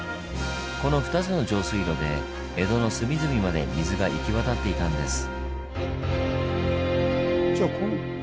この２つの上水路で江戸の隅々まで水が行き渡っていたんです。